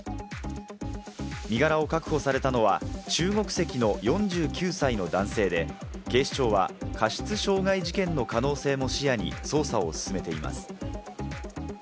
身柄を確保されたのは中国籍の４９歳の男性で、警視庁は過失傷害事件の可能性も視野に捜査を進めています。